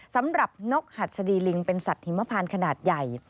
สำหรับนกหัดสดีลิงเป็นสัตว์หิมพลาดขนาดใหญ่